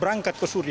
berangkat ke suria